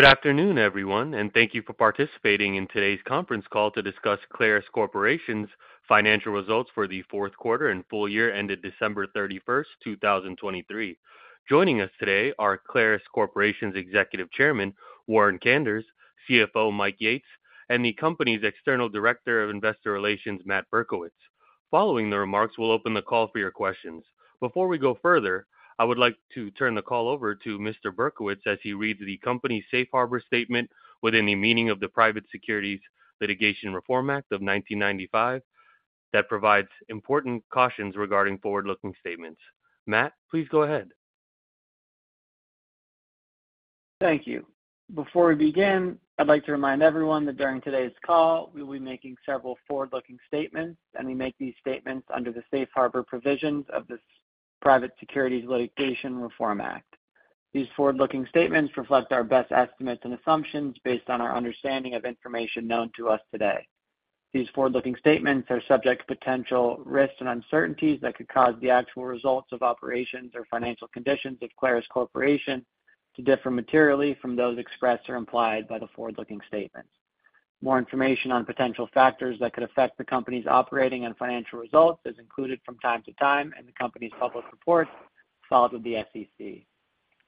Good afternoon, everyone, and thank you for participating in today's conference call to discuss Clarus Corporation's financial results for the fourth quarter and full year ended December 31, 2023. Joining us today are Clarus Corporation's Executive Chairman, Warren Kanders; CFO, Mike Yates; and the company's External Director of Investor Relations, Matt Berkowitz. Following the remarks, we'll open the call for your questions. Before we go further, I would like to turn the call over to Mr. Berkowitz as he reads the company's safe harbor statement within the meaning of the Private Securities Litigation Reform Act of 1995 that provides important cautions regarding forward-looking statements. Matt, please go ahead. Thank you. Before we begin, I'd like to remind everyone that during today's call we'll be making several forward-looking statements, and we make these statements under the safe harbor provisions of this Private Securities Litigation Reform Act. These forward-looking statements reflect our best estimates and assumptions based on our understanding of information known to us today. These forward-looking statements are subject to potential risks and uncertainties that could cause the actual results of operations or financial conditions of Clarus Corporation to differ materially from those expressed or implied by the forward-looking statements. More information on potential factors that could affect the company's operating and financial results is included from time to time in the company's public reports, filed with the SEC.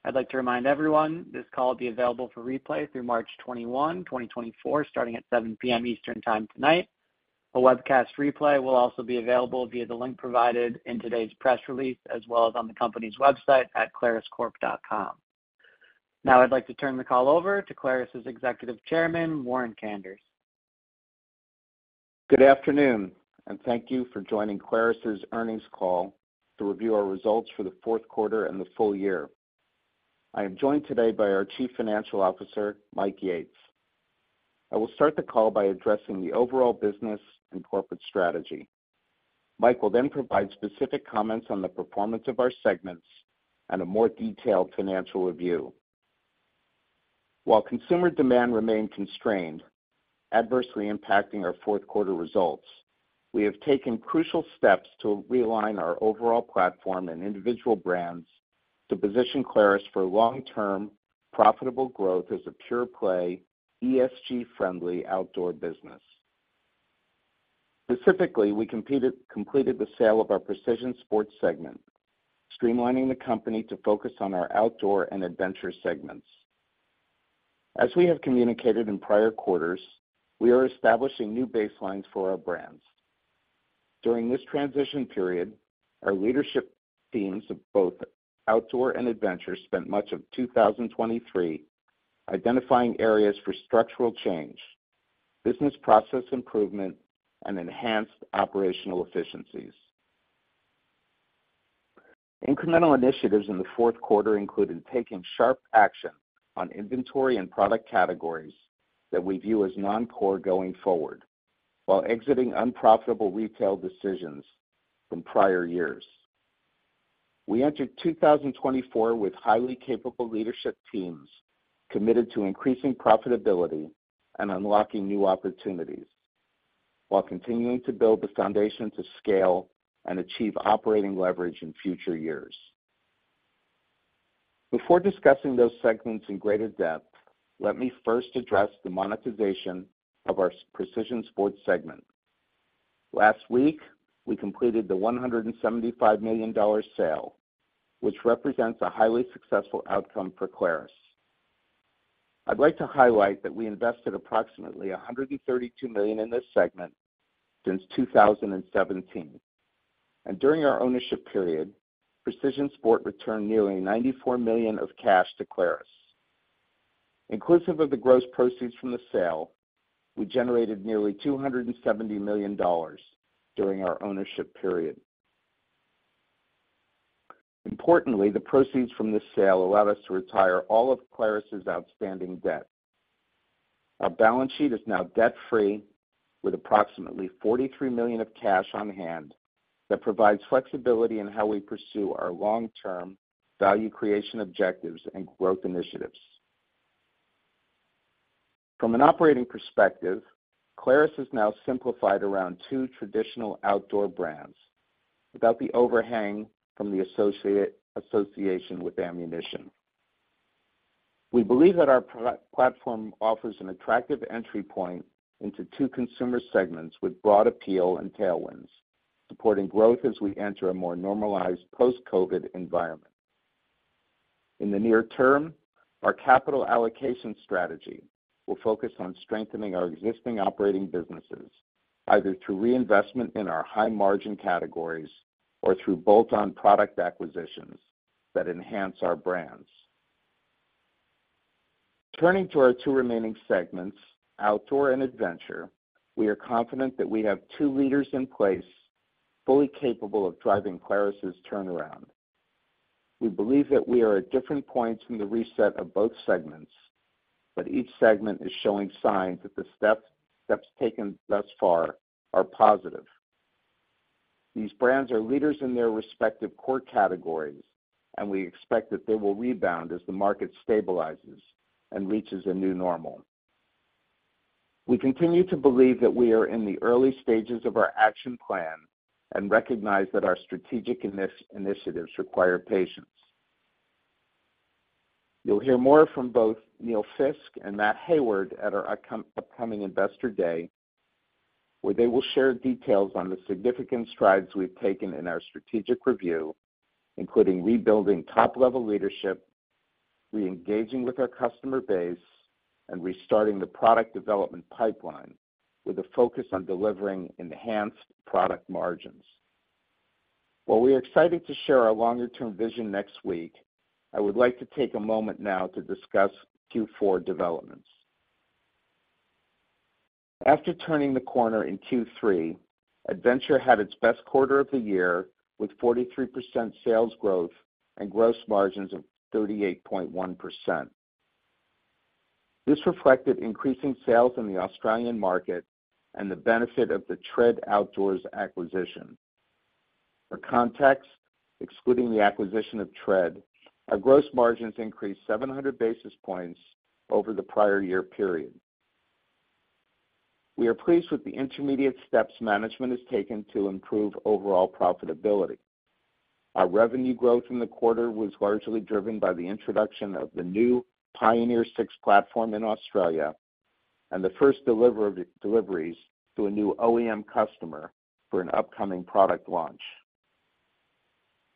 I'd like to remind everyone this call will be available for replay through March 21, 2024, starting at 7:00 P.M. Eastern Time tonight. A webcast replay will also be available via the link provided in today's press release, as well as on the company's website at claruscorp.com. Now I'd like to turn the call over to Clarus's Executive Chairman, Warren Kanders. Good afternoon, and thank you for joining Clarus's earnings call to review our results for the fourth quarter and the full year. I am joined today by our Chief Financial Officer, Mike Yates. I will start the call by addressing the overall business and corporate strategy. Mike will then provide specific comments on the performance of our segments and a more detailed financial review. While consumer demand remained constrained, adversely impacting our fourth quarter results, we have taken crucial steps to realign our overall platform and individual brands to position Clarus for long-term profitable growth as a pure-play, ESG-friendly outdoor business. Specifically, we completed the sale of our Precision Sports segment, streamlining the company to focus on our outdoor and adventure segments. As we have communicated in prior quarters, we are establishing new baselines for our brands. During this transition period, our leadership teams of both outdoor and adventure spent much of 2023 identifying areas for structural change, business process improvement, and enhanced operational efficiencies. Incremental initiatives in the fourth quarter included taking sharp action on inventory and product categories that we view as non-core going forward, while exiting unprofitable retail decisions from prior years. We entered 2024 with highly capable leadership teams committed to increasing profitability and unlocking new opportunities, while continuing to build the foundation to scale and achieve operating leverage in future years. Before discussing those segments in greater depth, let me first address the monetization of our Precision Sports segment. Last week, we completed the $175 million sale, which represents a highly successful outcome for Clarus. I'd like to highlight that we invested approximately $132 million in this segment since 2017, and during our ownership period, Precision Sports returned nearly $94 million of cash to Clarus. Inclusive of the gross proceeds from the sale, we generated nearly $270 million during our ownership period. Importantly, the proceeds from this sale allowed us to retire all of Clarus's outstanding debt. Our balance sheet is now debt-free, with approximately $43 million of cash on hand that provides flexibility in how we pursue our long-term value creation objectives and growth initiatives. From an operating perspective, Clarus has now simplified around two traditional outdoor brands without the overhang from the association with ammunition. We believe that our platform offers an attractive entry point into two consumer segments with broad appeal and tailwinds, supporting growth as we enter a more normalized post-COVID environment. In the near term, our capital allocation strategy will focus on strengthening our existing operating businesses, either through reinvestment in our high-margin categories or through bolt-on product acquisitions that enhance our brands. Turning to our two remaining segments, outdoor and adventure, we are confident that we have two leaders in place fully capable of driving Clarus's turnaround. We believe that we are at different points in the reset of both segments, but each segment is showing signs that the steps taken thus far are positive. These brands are leaders in their respective core categories, and we expect that they will rebound as the market stabilizes and reaches a new normal. We continue to believe that we are in the early stages of our action plan and recognize that our strategic initiatives require patience. You'll hear more from both Neil Fiske and Matt Hayward at our upcoming Investor Day, where they will share details on the significant strides we've taken in our strategic review, including rebuilding top-level leadership, reengaging with our customer base, and restarting the product development pipeline with a focus on delivering enhanced product margins. While we are excited to share our longer-term vision next week, I would like to take a moment now to discuss Q4 developments. After turning the corner in Q3, adventure had its best quarter of the year with 43% sales growth and gross margins of 38.1%. This reflected increasing sales in the Australian market and the benefit of the TRED Outdoors acquisition. For context, excluding the acquisition of TRED Outdoors, our gross margins increased 700 basis points over the prior year period. We are pleased with the intermediate steps management has taken to improve overall profitability. Our revenue growth in the quarter was largely driven by the introduction of the new Pioneer 6 platform in Australia and the first deliveries to a new OEM customer for an upcoming product launch.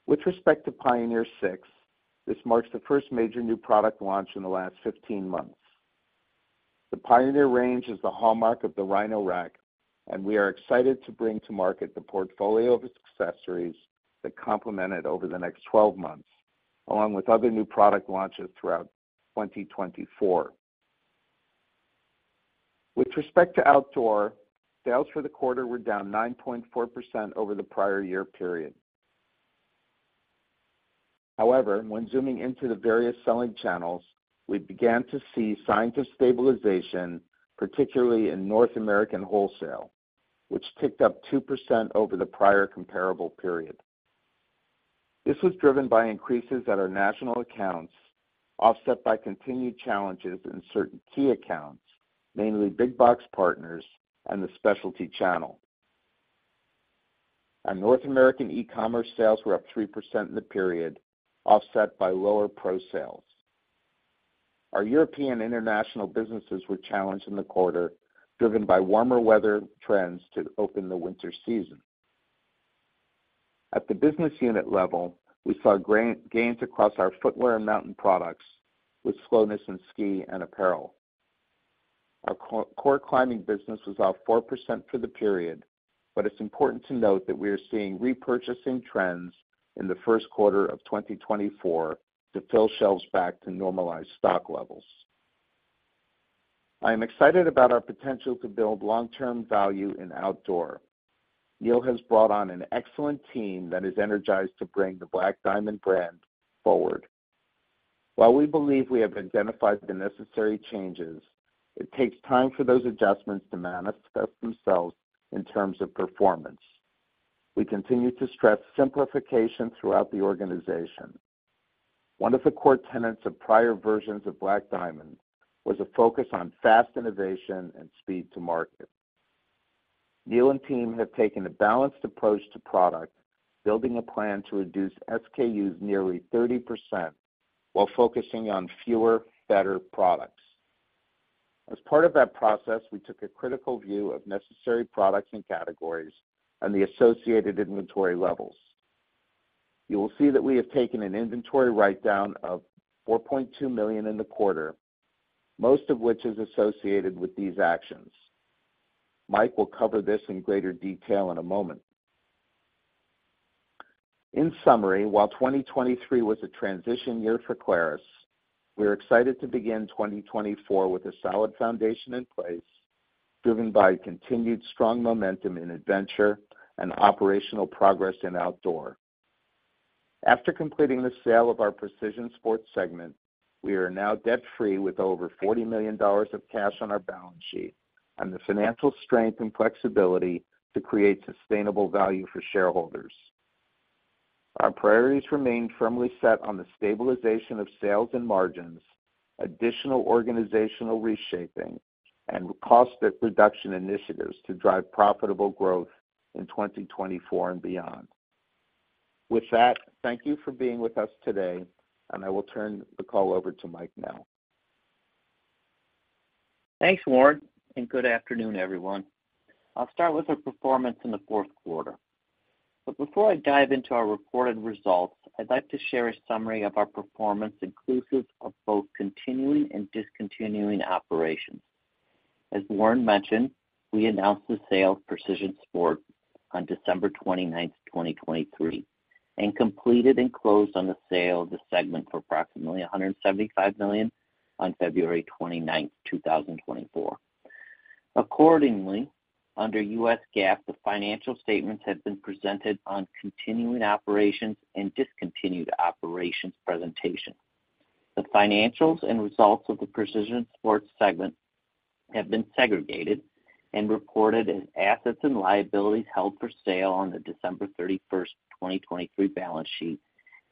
With respect to Pioneer 6, this marks the first major new product launch in the last 15 months. The Pioneer range is the hallmark of the Rhino-Rack, and we are excited to bring to market the portfolio of accessories that complement it over the next 12 months, along with other new product launches throughout 2024. With respect to outdoor, sales for the quarter were down 9.4% over the prior year period. However, when zooming into the various selling channels, we began to see signs of stabilization, particularly in North American wholesale, which ticked up 2% over the prior comparable period. This was driven by increases at our national accounts, offset by continued challenges in certain key accounts, mainly big-box partners and the specialty channel. Our North American e-commerce sales were up 3% in the period, offset by lower pro sales. Our European and international businesses were challenged in the quarter, driven by warmer weather trends to open the winter season. At the business unit level, we saw gains across our footwear and mountain products, with slowness in ski and apparel. Our core climbing business was off 4% for the period, but it's important to note that we are seeing repurchasing trends in the first quarter of 2024 to fill shelves back to normalized stock levels. I am excited about our potential to build long-term value in outdoor. Neil has brought on an excellent team that is energized to bring the Black Diamond brand forward. While we believe we have identified the necessary changes, it takes time for those adjustments to manifest themselves in terms of performance. We continue to stress simplification throughout the organization. One of the core tenets of prior versions of Black Diamond was a focus on fast innovation and speed to market. Neil and team have taken a balanced approach to product, building a plan to reduce SKUs nearly 30% while focusing on fewer, better products. As part of that process, we took a critical view of necessary products and categories and the associated inventory levels. You will see that we have taken an inventory write-down of $4.2 million in the quarter, most of which is associated with these actions. Mike will cover this in greater detail in a moment. In summary, while 2023 was a transition year for Clarus, we are excited to begin 2024 with a solid foundation in place, driven by continued strong momentum in adventure and operational progress in outdoor. After completing the sale of our Precision Sports segment, we are now debt-free with over $40 million of cash on our balance sheet and the financial strength and flexibility to create sustainable value for shareholders. Our priorities remain firmly set on the stabilization of sales and margins, additional organizational reshaping, and cost reduction initiatives to drive profitable growth in 2024 and beyond. With that, thank you for being with us today, and I will turn the call over to Mike now. Thanks, Warren, and good afternoon, everyone. I'll start with our performance in the fourth quarter. But before I dive into our reported results, I'd like to share a summary of our performance inclusive of both continuing and discontinued operations. As Warren mentioned, we announced the sale of Precision Sports on December 29th, 2023, and completed and closed on the sale of the segment for approximately $175 million on February 29th, 2024. Accordingly, under U.S. GAAP, the financial statements have been presented on continuing operations and discontinued operations presentation. The financials and results of the Precision Sports segment have been segregated and reported as assets and liabilities held for sale on the December 31st, 2023, balance sheet,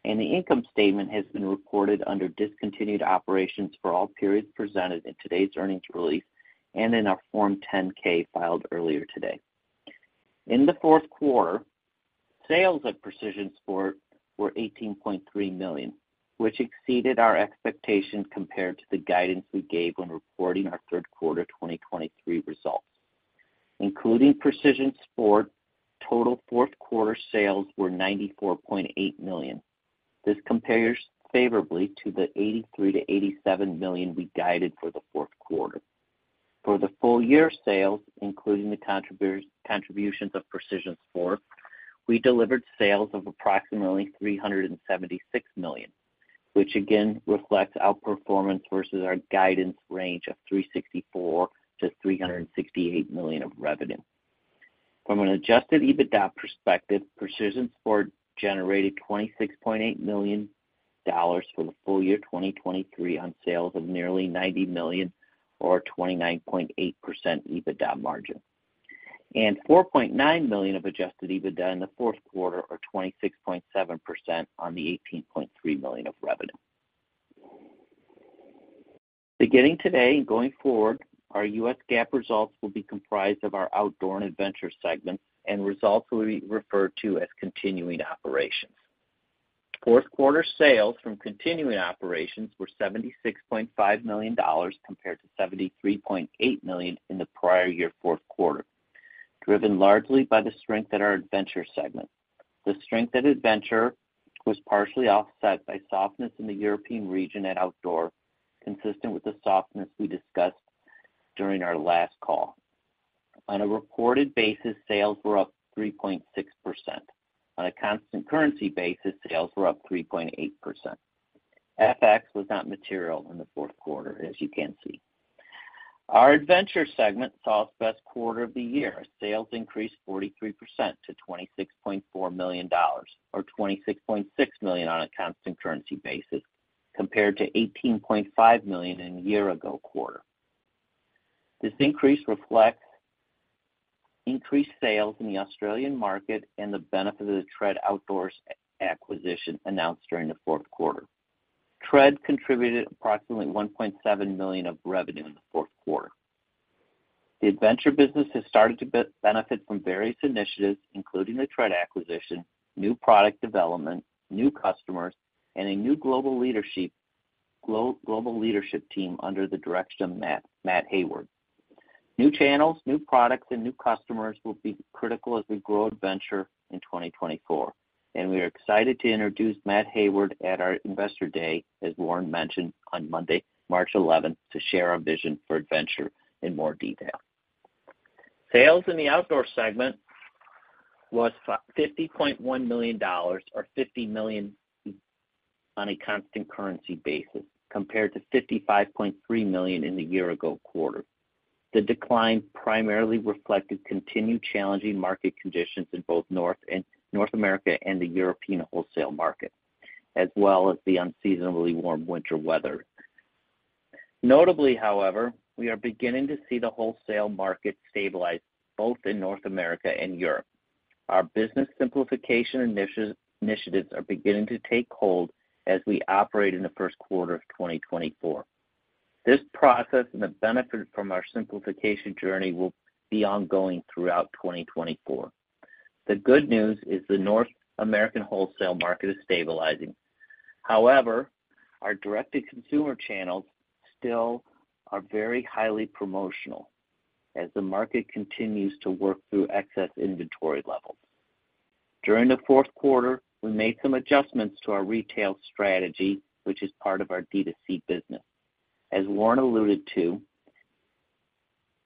and the income statement has been reported under discontinued operations for all periods presented in today's earnings release and in our Form 10-K filed earlier today. In the fourth quarter, sales of Precision Sports were $18.3 million, which exceeded our expectation compared to the guidance we gave when reporting our third quarter 2023 results. Including Precision Sports, total fourth quarter sales were $94.8 million. This compares favorably to the $83-$87 million we guided for the fourth quarter. For the full year sales, including the contributions of Precision Sports, we delivered sales of approximately $376 million, which again reflects our performance versus our guidance range of $364-$368 million of revenue. From an adjusted EBITDA perspective, Precision Sports generated $26.8 million for the full year 2023 on sales of nearly $90 million or a 29.8% EBITDA margin, and $4.9 million of adjusted EBITDA in the fourth quarter or 26.7% on the $18.3 million of revenue. Beginning today and going forward, our U.S. GAAP results will be comprised of our outdoor and adventure segments and results will be referred to as continuing operations. Fourth quarter sales from continuing operations were $76.5 million compared to $73.8 million in the prior year fourth quarter, driven largely by the strength of our adventure segment. The strength of adventure was partially offset by softness in the European region and outdoor, consistent with the softness we discussed during our last call. On a reported basis, sales were up 3.6%. On a constant currency basis, sales were up 3.8%. FX was not material in the fourth quarter, as you can see. Our adventure segment saw its best quarter of the year. Sales increased 43% to $26.4 million or $26.6 million on a constant currency basis compared to $18.5 million in the year ago quarter. This increase reflects increased sales in the Australian market and the benefit of the TRED Outdoors acquisition announced during the fourth quarter. TRED contributed approximately $1.7 million of revenue in the fourth quarter. The adventure business has started to benefit from various initiatives, including the TRED acquisition, new product development, new customers, and a new global leadership team under the direction of Matt Hayward. New channels, new products, and new customers will be critical as we grow adventure in 2024, and we are excited to introduce Matt Hayward at our Investor Day, as Warren mentioned, on Monday, March 11th, to share our vision for adventure in more detail. Sales in the outdoor segment was $50.1 million or $50 million on a constant currency basis compared to $55.3 million in the year ago quarter. The decline primarily reflected continued challenging market conditions in both North America and the European wholesale market, as well as the unseasonably warm winter weather. Notably, however, we are beginning to see the wholesale market stabilize both in North America and Europe. Our business simplification initiatives are beginning to take hold as we operate in the first quarter of 2024. This process and the benefit from our simplification journey will be ongoing throughout 2024. The good news is the North American wholesale market is stabilizing. However, our direct-to-consumer channels still are very highly promotional as the market continues to work through excess inventory levels. During the fourth quarter, we made some adjustments to our retail strategy, which is part of our D2C business. As Warren alluded to,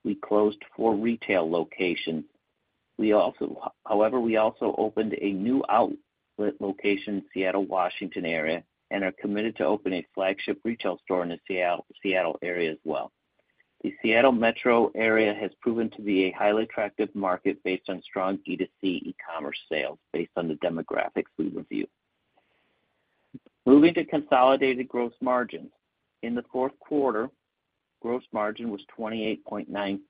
we closed four retail locations. However, we also opened a new outlet location in the Seattle, Washington area, and are committed to opening a flagship retail store in the Seattle area as well. The Seattle Metro area has proven to be a highly attractive market based on strong D2C e-commerce sales based on the demographics we review. Moving to consolidated gross margins, in the fourth quarter, gross margin was 28.9%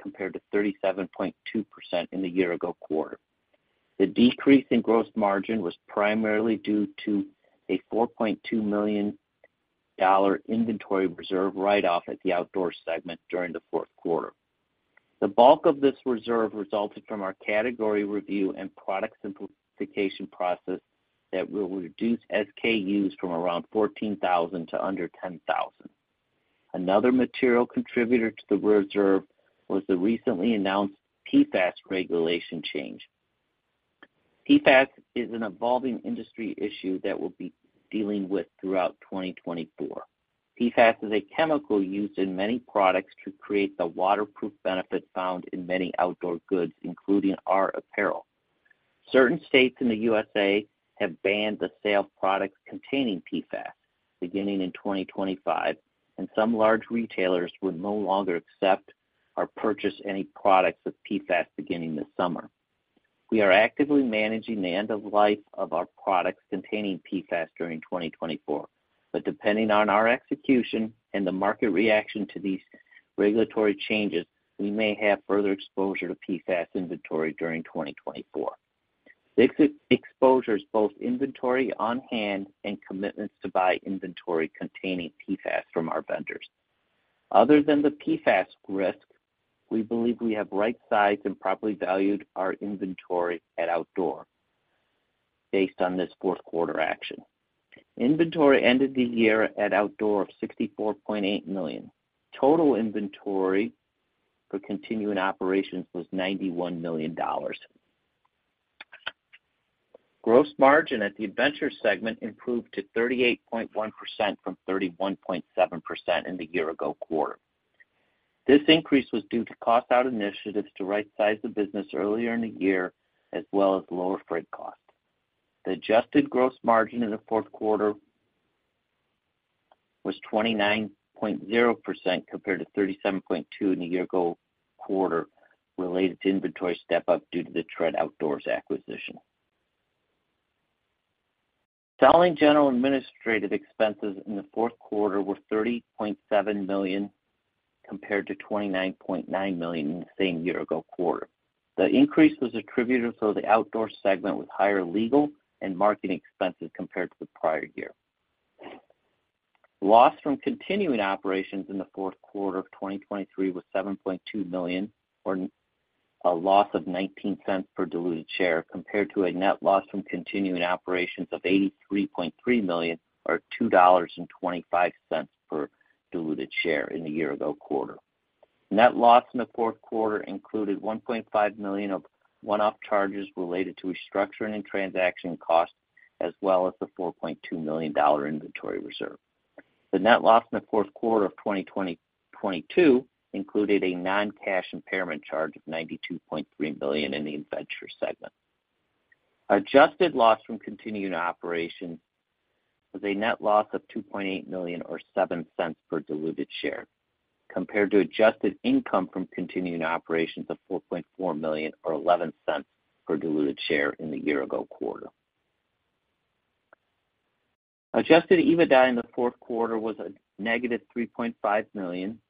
compared to 37.2% in the year ago quarter. The decrease in gross margin was primarily due to a $4.2 million inventory reserve write-off at the outdoor segment during the fourth quarter. The bulk of this reserve resulted from our category review and product simplification process that will reduce SKUs from around 14,000 to under 10,000. Another material contributor to the reserve was the recently announced PFAS regulation change. PFAS is an evolving industry issue that we'll be dealing with throughout 2024. PFAS is a chemical used in many products to create the waterproof benefit found in many outdoor goods, including our apparel. Certain states in the U.S. have banned the sale of products containing PFAS beginning in 2025, and some large retailers would no longer accept or purchase any products with PFAS beginning this summer. We are actively managing the end of life of our products containing PFAS during 2024, but depending on our execution and the market reaction to these regulatory changes, we may have further exposure to PFAS inventory during 2024. This exposure is both inventory on hand and commitments to buy inventory containing PFAS from our vendors. Other than the PFAS risk, we believe we have right-sized and properly valued our inventory at Outdoor based on this fourth quarter action. Inventory ended the year at Outdoor of $64.8 million. Total inventory for continuing operations was $91 million. Gross margin at the Adventure segment improved to 38.1% from 31.7% in the year ago quarter. This increase was due to cost-out initiatives to right-size the business earlier in the year, as well as lower freight costs. The adjusted gross margin in the fourth quarter was 29.0% compared to 37.2% in the year ago quarter related to inventory step-up due to the TRED Outdoors acquisition. Selling general administrative expenses in the fourth quarter were $30.7 million compared to $29.9 million in the same year ago quarter. The increase was attributed to the outdoor segment with higher legal and marketing expenses compared to the prior year. Loss from continuing operations in the fourth quarter of 2023 was $7.2 million or a loss of $0.19 per diluted share compared to a net loss from continuing operations of $83.3 million or $2.25 per diluted share in the year ago quarter. Net loss in the fourth quarter included $1.5 million of one-off charges related to restructuring and transaction costs, as well as the $4.2 million inventory reserve. The net loss in the fourth quarter of 2022 included a non-cash impairment charge of $92.3 million in the Adventure segment. Adjusted loss from continuing operations was a net loss of $2.8 million or $0.07 per diluted share compared to adjusted income from continuing operations of $4.4 million or $0.11 per diluted share in the year ago quarter. Adjusted EBITDA in the fourth quarter was -$3.5 million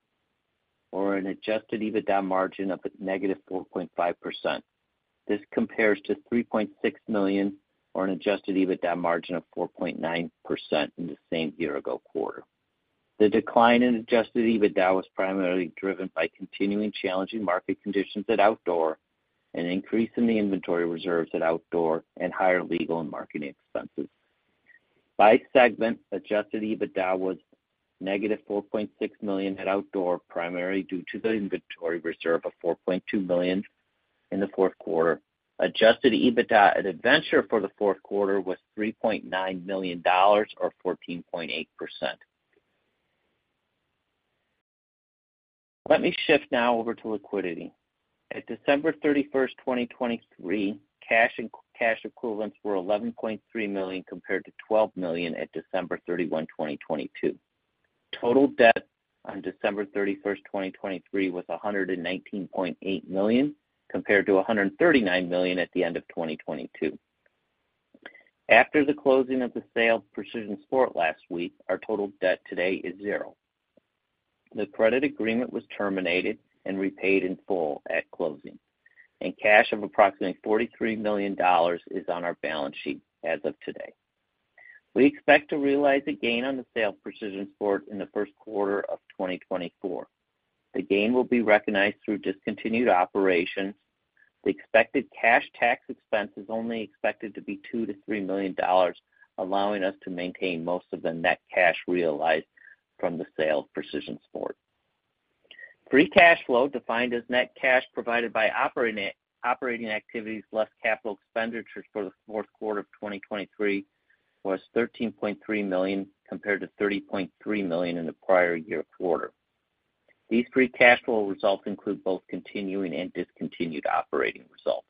or an adjusted EBITDA margin of -4.5%. This compares to $3.6 million or an adjusted EBITDA margin of 4.9% in the same year ago quarter. The decline in Adjusted EBITDA was primarily driven by continuing challenging market conditions at outdoor, an increase in the inventory reserves at outdoor, and higher legal and marketing expenses. By segment, Adjusted EBITDA was -$4.6 million at outdoor, primarily due to the inventory reserve of $4.2 million in the fourth quarter. Adjusted EBITDA at adventure for the fourth quarter was $3.9 million or 14.8%. Let me shift now over to liquidity. At December 31st, 2023, cash equivalents were $11.3 million compared to $12 million at December 31st, 2022. Total debt on December 31st, 2023, was $119.8 million compared to $139 million at the end of 2022. After the closing of the sale of Precision Sports last week, our total debt today is $0. The credit agreement was terminated and repaid in full at closing, and cash of approximately $43 million is on our balance sheet as of today. We expect to realize a gain on the sale of Precision Sports in the first quarter of 2024. The gain will be recognized through discontinued operations. The expected cash tax expense is only expected to be $2-$3 million, allowing us to maintain most of the net cash realized from the sale of Precision Sports. Free cash flow, defined as net cash provided by operating activities less capital expenditures for the fourth quarter of 2023, was $13.3 million compared to $30.3 million in the prior year quarter. These free cash flow results include both continuing and discontinued operating results.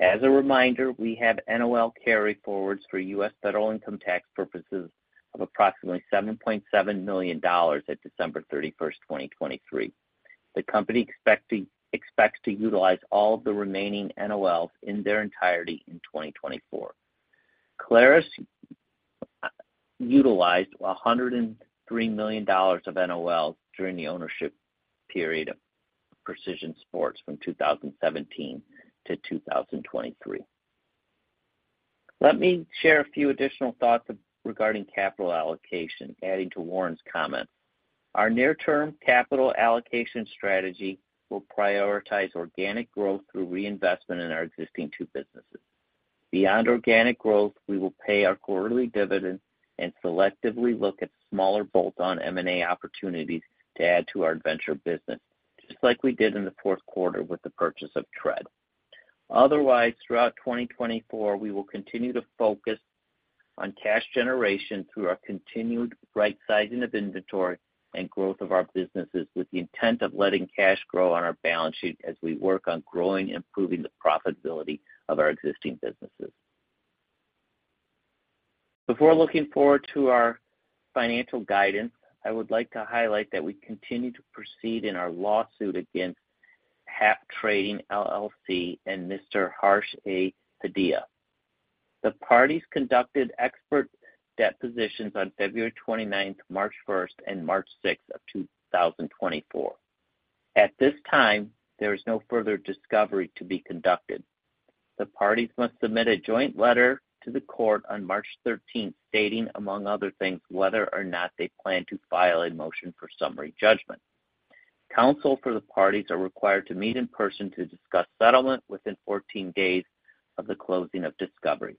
As a reminder, we have NOL carry-forwards for U.S. federal income tax purposes of approximately $7.7 million at December 31st, 2023. The company expects to utilize all of the remaining NOLs in their entirety in 2024. Clarus utilized $103 million of NOLs during the ownership period of Precision Sports from 2017 to 2023. Let me share a few additional thoughts regarding capital allocation, adding to Warren's comments. Our near-term capital allocation strategy will prioritize organic growth through reinvestment in our existing two businesses. Beyond organic growth, we will pay our quarterly dividend and selectively look at smaller bolt-on M&A opportunities to add to our adventure business, just like we did in the fourth quarter with the purchase of TRED. Otherwise, throughout 2024, we will continue to focus on cash generation through our continued right-sizing of inventory and growth of our businesses with the intent of letting cash grow on our balance sheet as we work on growing and improving the profitability of our existing businesses. Before looking forward to our financial guidance, I would like to highlight that we continue to proceed in our lawsuit against Hap Trading, LLC, and Mr. Harsh A. Padia. The parties conducted expert depositions on February 29th, March 1st, and March 6th of 2024. At this time, there is no further discovery to be conducted. The parties must submit a joint letter to the court on March 13th stating, among other things, whether or not they plan to file a motion for summary judgment. Counsel for the parties are required to meet in person to discuss settlement within 14 days of the closing of discovery.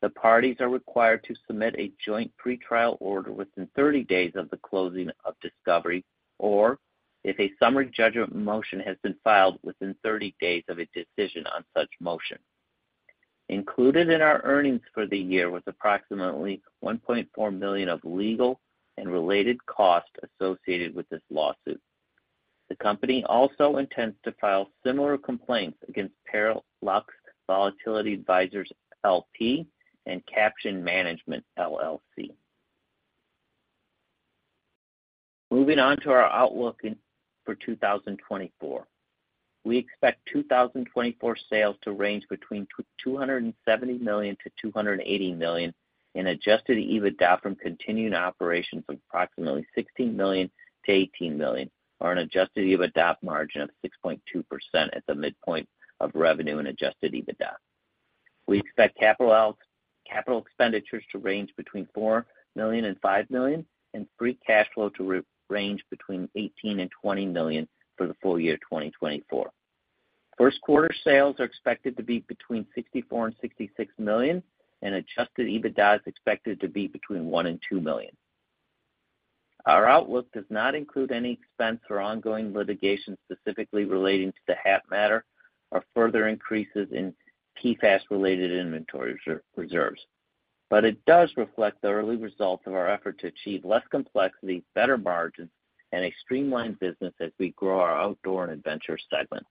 The parties are required to submit a joint pretrial order within 30 days of the closing of discovery or if a summary judgment motion has been filed within 30 days of a decision on such motion. Included in our earnings for the year was approximately $1.4 million of legal and related costs associated with this lawsuit. The company also intends to file similar complaints against Parallax Volatility Advisors, LP, and Caption Management, LLC. Moving on to our outlook for 2024, we expect 2024 sales to range between $270 million-$280 million and adjusted EBITDA from continuing operations of approximately $16 million-$18 million or an adjusted EBITDA margin of 6.2% at the midpoint of revenue and adjusted EBITDA. We expect capital expenditures to range between $4 million-$5 million, and free cash flow to range between $18 million-$20 million for the full year 2024. First quarter sales are expected to be between $64 million-$66 million, and adjusted EBITDA is expected to be between $1 million-$2 million. Our outlook does not include any expense or ongoing litigation specifically relating to the Hap matter or further increases in PFAS-related inventory reserves, but it does reflect the early results of our effort to achieve less complexity, better margins, and a streamlined business as we grow our outdoor and adventure segment.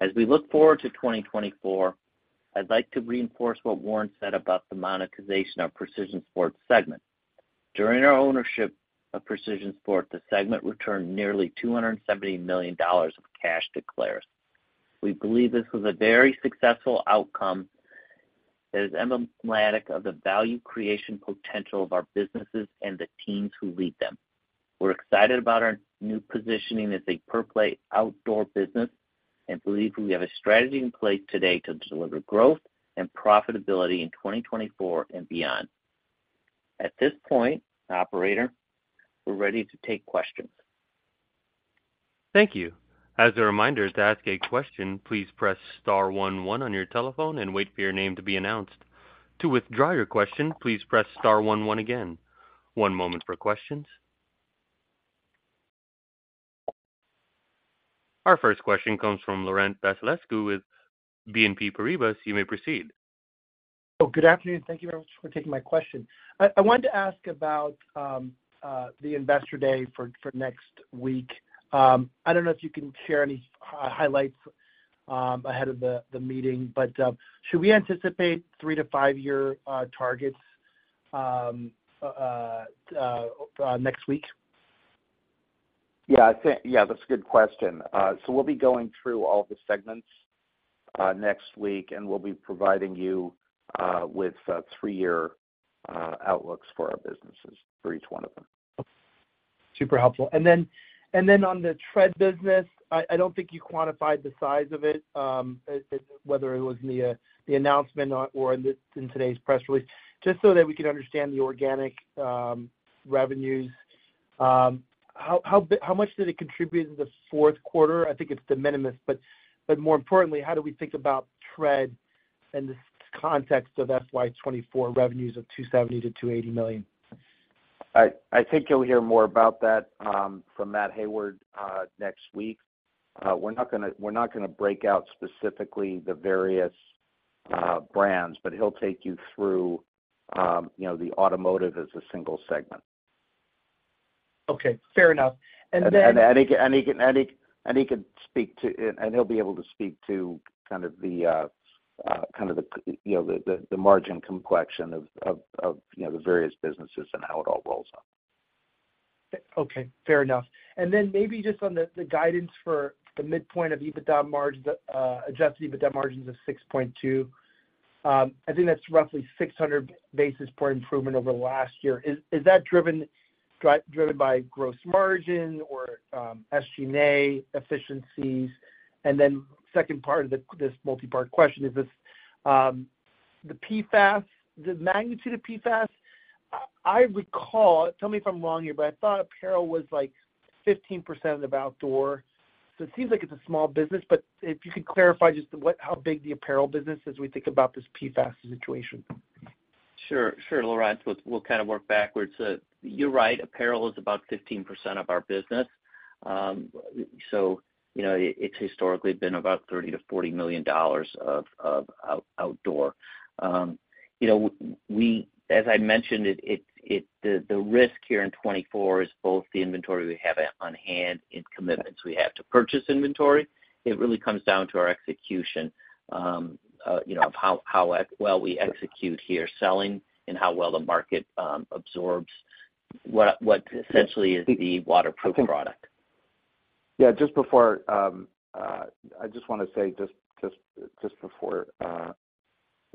As we look forward to 2024, I'd like to reinforce what Warren said about the monetization of Precision Sports segment. During our ownership of Precision Sports, the segment returned nearly $270 million of cash to Clarus. We believe this was a very successful outcome that is emblematic of the value creation potential of our businesses and the teams who lead them. We're excited about our new positioning as a pure-play outdoor business and believe we have a strategy in place today to deliver growth and profitability in 2024 and beyond. At this point, operator, we're ready to take questions. Thank you. As a reminder, to ask a question, please press star 11 on your telephone and wait for your name to be announced. To withdraw your question, please press star 11 again. One moment for questions. Our first question comes from Laurent Vasilescu with BNP Paribas. You may proceed. Good afternoon. Thank you very much for taking my question. I wanted to ask about the Investor Day for next week. I don't know if you can share any highlights ahead of the meeting, but should we anticipate 3- to 5-year targets next week? Yeah. Yeah, that's a good question. So we'll be going through all the segments next week, and we'll be providing you with three-year outlooks for our businesses for each one of them. Super helpful. And then on the TRED business, I don't think you quantified the size of it, whether it was in the announcement or in today's press release. Just so that we can understand the organic revenues, how much did it contribute in the fourth quarter? I think it's de minimis, but more importantly, how do we think about TRED in the context of FY24 revenues of $270 million-$280 million? I think you'll hear more about that from Matt Hayward next week. We're not going to break out specifically the various brands, but he'll take you through the automotive as a single segment. Okay. Fair enough. And then. He can speak to and he'll be able to speak to kind of the margin complexion of the various businesses and how it all rolls out. Okay. Fair enough. And then maybe just on the guidance for the midpoint of EBITDA margins, adjusted EBITDA margins of 6.2. I think that's roughly 600 basis point improvement over the last year. Is that driven by gross margin or SG&A efficiencies? And then second part of this multi-part question is the magnitude of PFAS. I recall tell me if I'm wrong here, but I thought apparel was 15% of outdoor. So it seems like it's a small business, but if you could clarify just how big the apparel business is as we think about this PFAS situation. Sure. Sure, Laurent. We'll kind of work backwards. You're right. Apparel is about 15% of our business. It's historically been about $30 million-$40 million of outdoor. As I mentioned, the risk here in 2024 is both the inventory we have on hand and commitments we have to purchase inventory. It really comes down to our execution of how well we execute here, selling, and how well the market absorbs what essentially is the waterproof product. Yeah. Just before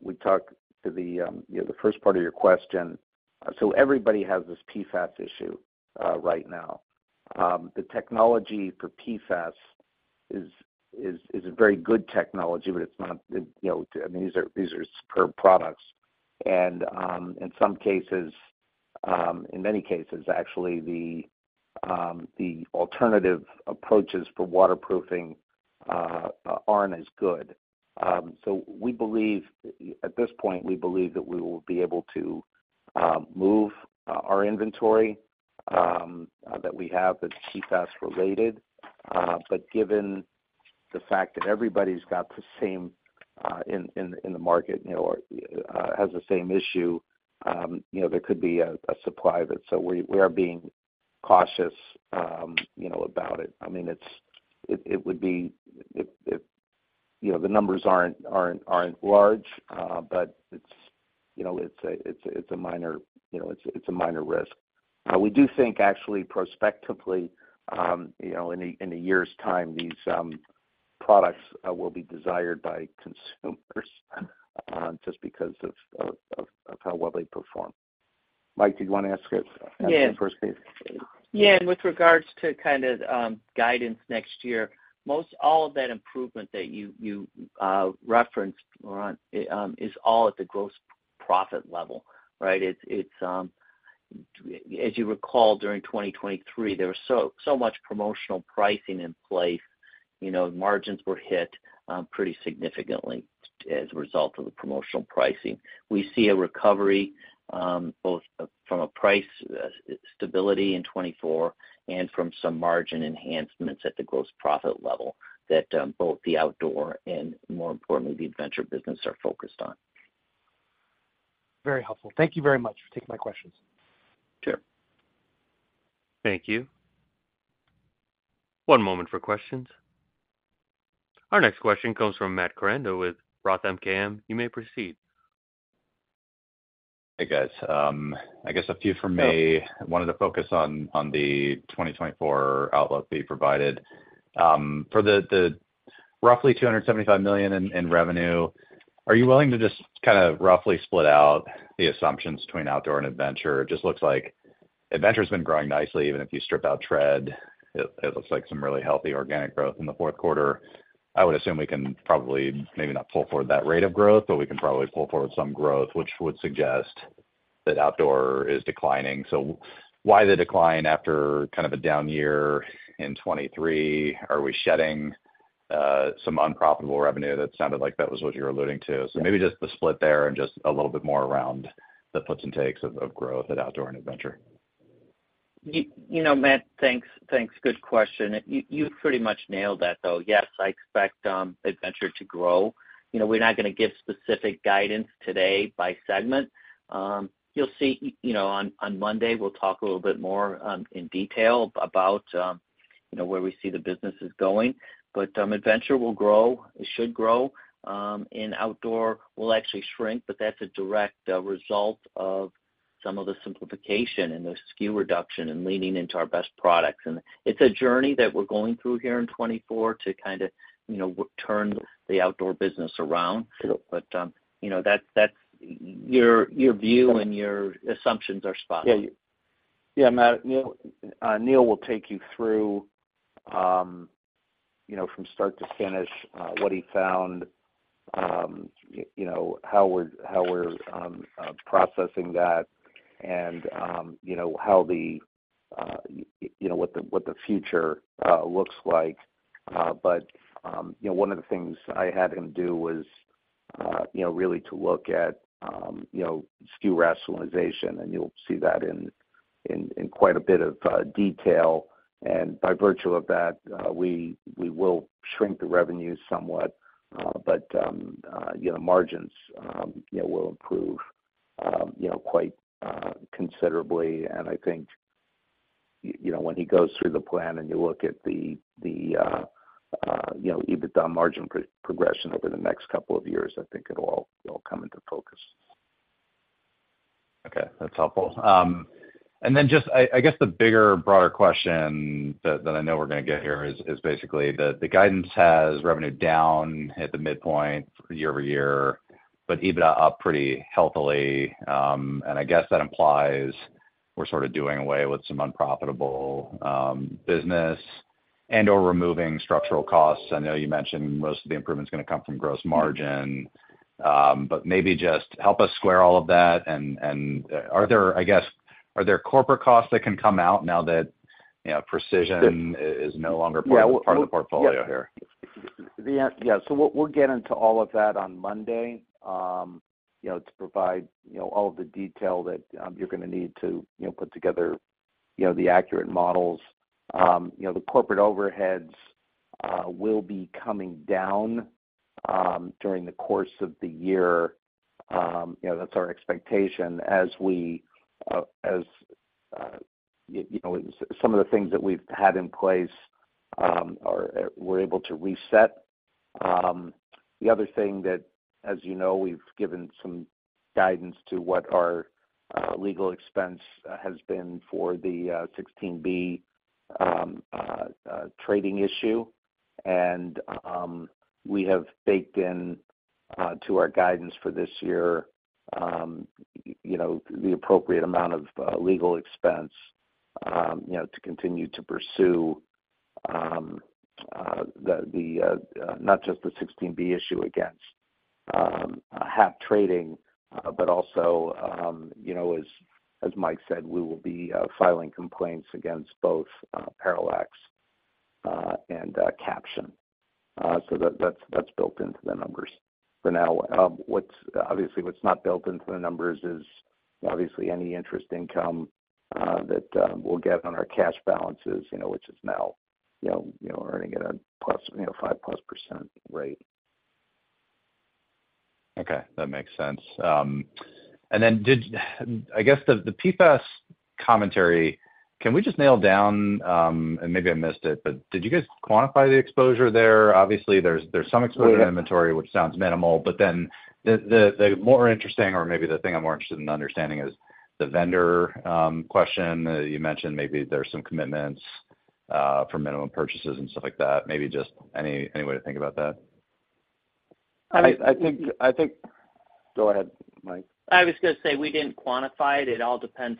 we talk to the first part of your question, so everybody has this PFAS issue right now. The technology for PFAS is a very good technology, but it's not, I mean, these are superb products. And in some cases, in many cases, actually, the alternative approaches for waterproofing aren't as good. So at this point, we believe that we will be able to move our inventory that we have that's PFAS-related. But given the fact that everybody's got the same in the market or has the same issue, there could be a supply that, so we are being cautious about it. I mean, it would be if the numbers aren't large, but it's a minor risk. We do think, actually, prospectively, in a year's time, these products will be desired by consumers just because of how well they perform. Mike, did you want to ask your first piece? Yeah. With regards to kind of guidance next year, all of that improvement that you referenced, Laurent, is all at the gross profit level, right? As you recall, during 2023, there was so much promotional pricing in place, margins were hit pretty significantly as a result of the promotional pricing. We see a recovery both from a price stability in 2024 and from some margin enhancements at the gross profit level that both the outdoor and, more importantly, the adventure business are focused on. Very helpful. Thank you very much for taking my questions. Sure. Thank you. One moment for questions. Our next question comes from Matt Koranda with Roth MKM. You may proceed. Hey, guys. I guess a few from me. I wanted to focus on the 2024 outlook that you provided. For the roughly $275 million in revenue, are you willing to just kind of roughly split out the assumptions between outdoor and adventure? It just looks like adventure has been growing nicely. Even if you strip out TRED, it looks like some really healthy organic growth in the fourth quarter. I would assume we can probably maybe not pull forward that rate of growth, but we can probably pull forward some growth, which would suggest that outdoor is declining. So why the decline after kind of a down year in 2023? Are we shedding some unprofitable revenue? That sounded like that was what you were alluding to. So maybe just the split there and just a little bit more around the puts and takes of growth at outdoor and adventure. Matt, thanks. Good question. You pretty much nailed that, though. Yes, I expect adventure to grow. We're not going to give specific guidance today by segment. You'll see on Monday, we'll talk a little bit more in detail about where we see the businesses going. But adventure will grow. It should grow. In outdoor, we'll actually shrink, but that's a direct result of some of the simplification and the SKU reduction and leaning into our best products. And it's a journey that we're going through here in 2024 to kind of turn the outdoor business around. But your view and your assumptions are spot on. Yeah. Yeah, Matt. Neil will take you through from start to finish what he found, how we're processing that, and how what the future looks like. But one of the things I had him do was really to look at SKU rationalization, and you'll see that in quite a bit of detail. And by virtue of that, we will shrink the revenue somewhat, but margins will improve quite considerably. And I think when he goes through the plan and you look at the EBITDA margin progression over the next couple of years, I think it'll all come into focus. Okay. That's helpful. And then just I guess the bigger, broader question that I know we're going to get here is basically the guidance has revenue down at the midpoint year-over-year, but EBITDA up pretty healthily. And I guess that implies we're sort of doing away with some unprofitable business and/or removing structural costs. I know you mentioned most of the improvement's going to come from gross margin, but maybe just help us square all of that. And I guess, are there corporate costs that can come out now that precision is no longer part of the portfolio here? Yeah. So we'll get into all of that on Monday to provide all of the detail that you're going to need to put together the accurate models. The corporate overheads will be coming down during the course of the year. That's our expectation as we, as some of the things that we've had in place, we're able to reset. The other thing that, as you know, we've given some guidance to what our legal expense has been for the 16B trading issue. And we have baked into our guidance for this year the appropriate amount of legal expense to continue to pursue not just the 16B issue against Hap Trading, but also, as Mike said, we will be filing complaints against both Parallax and Caption. So that's built into the numbers for now. Obviously, what's not built into the numbers is obviously any interest income that we'll get on our cash balances, which is now earning at a +5%+ rate. Okay. That makes sense. And then I guess the PFAS commentary, can we just nail down and maybe I missed it, but did you guys quantify the exposure there? Obviously, there's some exposure in inventory, which sounds minimal, but then the more interesting or maybe the thing I'm more interested in understanding is the vendor question. You mentioned maybe there's some commitments for minimum purchases and stuff like that. Maybe just any way to think about that. I think, go ahead, Mike. I was going to say we didn't quantify it. It all depends.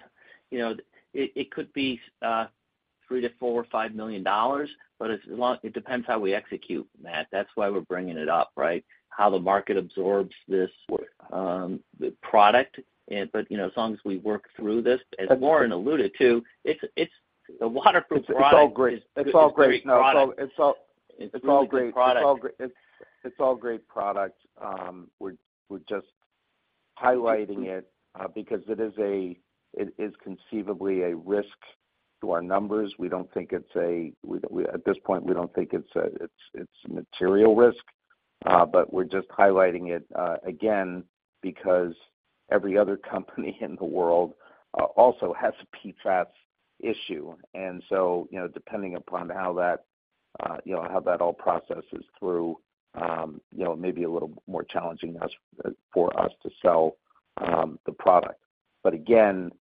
It could be $3 million to $4 million or $5 million, but it depends how we execute, Matt. That's why we're bringing it up, right? How the market absorbs this product. But as long as we work through this, as Warren alluded to, it's a waterproof product. It's all great. It's all great. It's all great. It's all great. It's all great. It's all great product. We're just highlighting it because it is conceivably a risk to our numbers. We don't think it's a material risk at this point, but we're just highlighting it again because every other company in the world also has a PFAS issue. And so depending upon how that all processes through, it may be a little more challenging for us to sell the product. But again,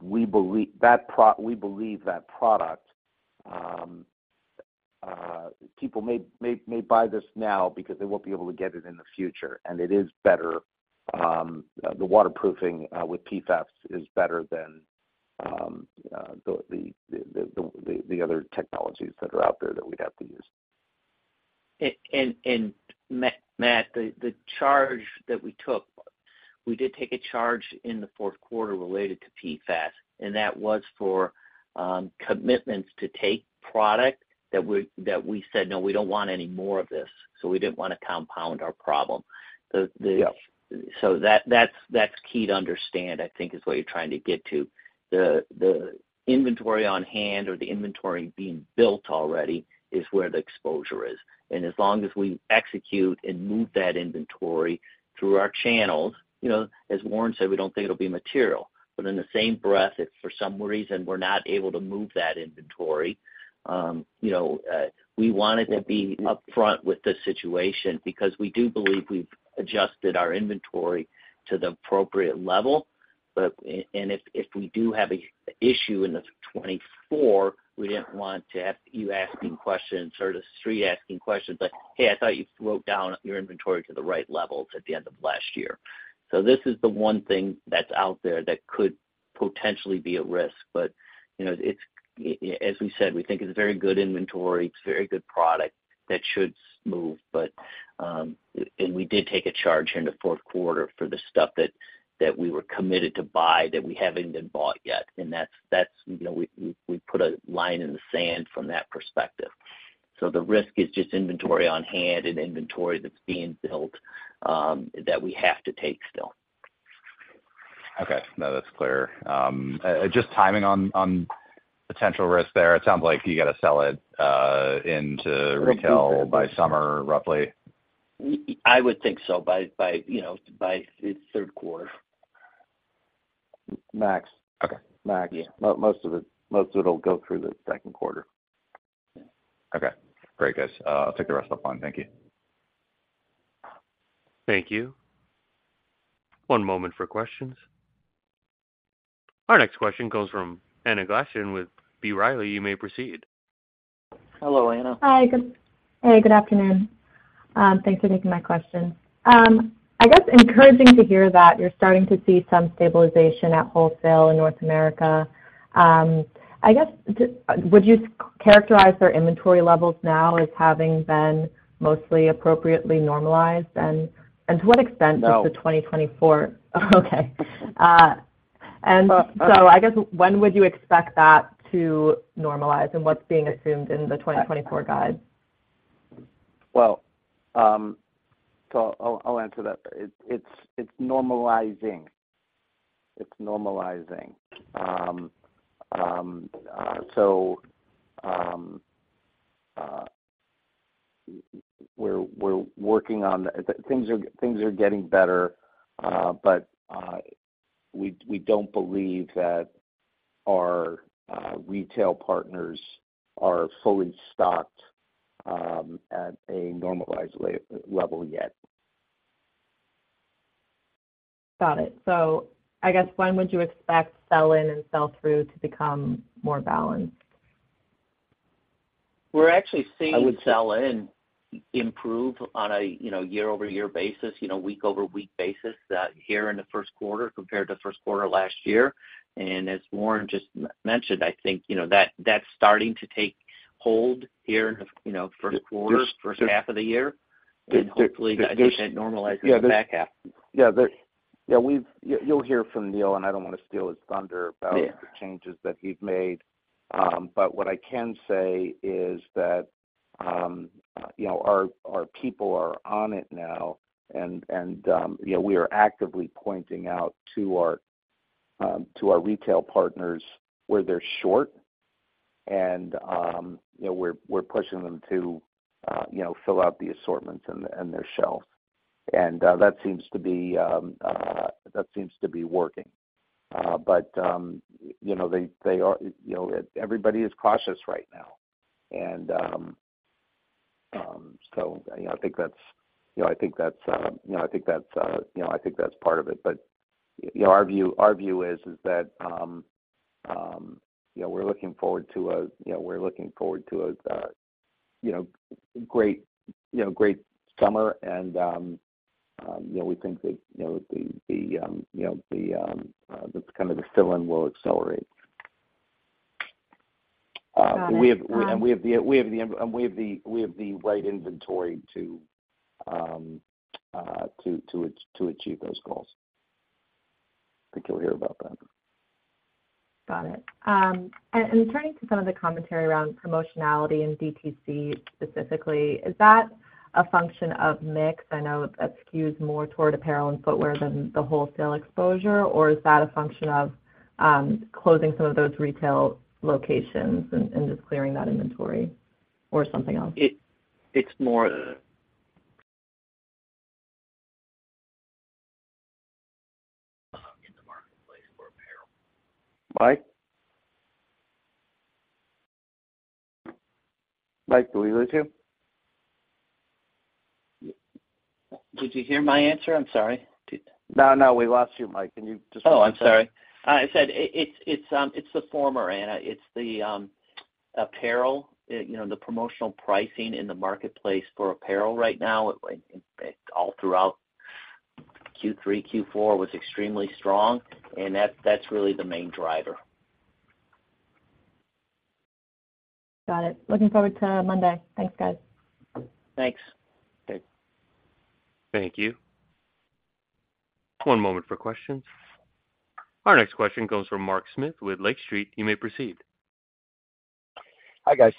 we believe that product people may buy this now because they won't be able to get it in the future. And it is better. The waterproofing with PFAS is better than the other technologies that are out there that we'd have to use. And Matt, the charge that we took—we did take a charge in the fourth quarter related to PFAS, and that was for commitments to take product that we said, "No, we don't want any more of this." So we didn't want to compound our problem. So that's key to understand, I think, is what you're trying to get to. The inventory on hand or the inventory being built already is where the exposure is. And as long as we execute and move that inventory through our channels, as Warren said, we don't think it'll be material. But in the same breath, if for some reason we're not able to move that inventory, we wanted to be upfront with the situation because we do believe we've adjusted our inventory to the appropriate level. And if we do have an issue in the 2024, we didn't want to have you asking questions or the street asking questions like, "Hey, I thought you wrote down your inventory to the right levels at the end of last year." So this is the one thing that's out there that could potentially be at risk. But as we said, we think it's a very good inventory. It's a very good product that should move. And we did take a charge here in the fourth quarter for the stuff that we were committed to buy that we haven't been bought yet. And we put a line in the sand from that perspective. So the risk is just inventory on hand and inventory that's being built that we have to take still. Okay. No, that's clear. Just timing on potential risk there, it sounds like you got to sell it into retail by summer, roughly. I would think so by third quarter. Max. Okay. Max, most of it'll go through the second quarter. Okay. Great, guys. I'll take the rest up on. Thank you. Thank you. One moment for questions. Our next question comes from Anna Glaessgen with B. Riley. You may proceed. Hello, Anna. Hi. Hey, good afternoon. Thanks for taking my questions. I guess encouraging to hear that you're starting to see some stabilization at wholesale in North America. I guess, would you characterize their inventory levels now as having been mostly appropriately normalized? And to what extent does the 2024 okay? And so I guess when would you expect that to normalize? And what's being assumed in the 2024 guide? Well, so I'll answer that. It's normalizing. It's normalizing. So we're working on things are getting better, but we don't believe that our retail partners are fully stocked at a normalized level yet. Got it. So I guess when would you expect sell-in and sell-through to become more balanced? We're actually seeing sell-in improve on a year-over-year basis, week-over-week basis here in the first quarter compared to first quarter last year. And as Warren just mentioned, I think that's starting to take hold here in the first quarter, first half of the year. And hopefully, that normalizes the back half. Yeah. Yeah. You'll hear from Neil, and I don't want to steal his thunder about the changes that he's made. But what I can say is that our people are on it now, and we are actively pointing out to our retail partners where they're short, and we're pushing them to fill out the assortments and their shelves. And that seems to be working. But everybody is cautious right now. And so I think that's part of it. But our view is that we're looking forward to a great summer, and we think that the fill-in will accelerate. And we have the right inventory to achieve those goals. I think you'll hear about that. Got it. Turning to some of the commentary around promotionality and DTC specifically, is that a function of mix? I know that skews more toward apparel and footwear than the wholesale exposure, or is that a function of closing some of those retail locations and just clearing that inventory or something else? It's more. Mike? Mike, do we lose you? Did you hear my answer? I'm sorry. No, no. We lost you, Mike. Can you just. Oh, I'm sorry. I said it's the former, Anna. It's the apparel, the promotional pricing in the marketplace for apparel right now all throughout Q3, Q4, was extremely strong, and that's really the main driver. Got it. Looking forward to Monday. Thanks, guys. Thanks. Thank you. One moment for questions. Our next question comes from Mark Smith with Lake Street. You may proceed. Hi, guys.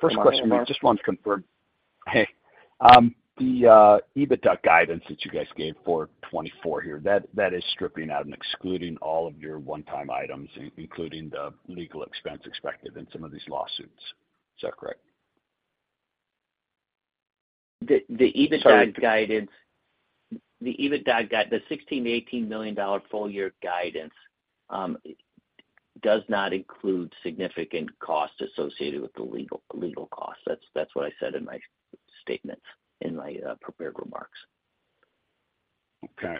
First question, Mike. Just wanted to confirm. Hey. The EBITDA guidance that you guys gave for 2024 here, that is stripping out and excluding all of your one-time items, including the legal expense expected in some of these lawsuits. Is that correct? The EBITDA guidance. Sorry. The EBITDA guidance, the $16 million-$18 million full-year guidance, does not include significant costs associated with the legal costs. That's what I said in my statements, in my prepared remarks. Okay.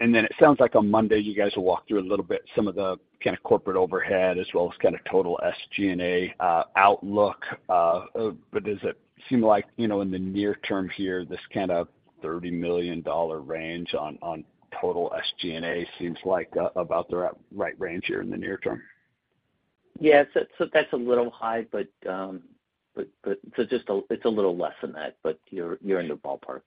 And then it sounds like on Monday, you guys will walk through a little bit some of the kind of corporate overhead as well as kind of total SG&A outlook. But does it seem like in the near term here, this kind of $30 million range on total SG&A seems like about the right range here in the near term? Yes. So that's a little high, but so just it's a little less than that, but you're in the ballpark.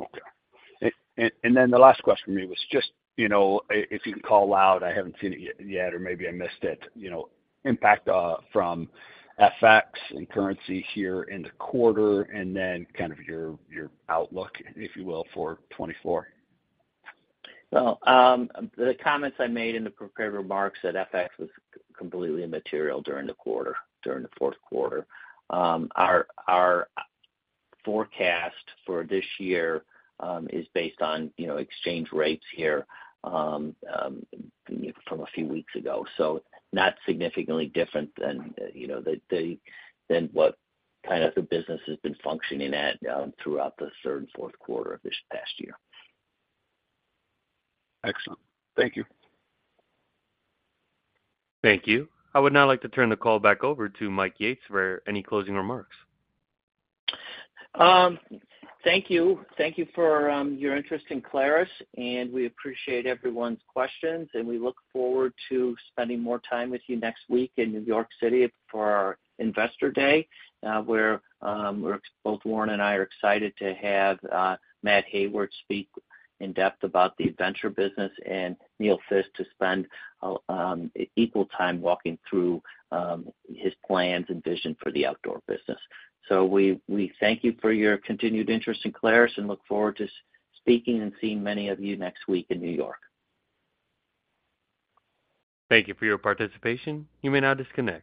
Okay. And then the last question for me was just if you can call out, I haven't seen it yet or maybe I missed it, impact from FX and currency here in the quarter and then kind of your outlook, if you will, for 2024. Well, the comments I made in the prepared remarks that FX was completely immaterial during the quarter, during the fourth quarter. Our forecast for this year is based on exchange rates here from a few weeks ago, so not significantly different than what kind of the business has been functioning at throughout the third and fourth quarter of this past year. Excellent. Thank you. Thank you. I would now like to turn the call back over to Mike Yates for any closing remarks. Thank you. Thank you for your interest in Clarus, and we appreciate everyone's questions. We look forward to spending more time with you next week in New York City for our Investor Day, where both Warren and I are excited to have Matt Hayward speak in depth about the venture business and Neil Fiske to spend equal time walking through his plans and vision for the outdoor business. We thank you for your continued interest in Clarus and look forward to speaking and seeing many of you next week in New York. Thank you for your participation. You may now disconnect.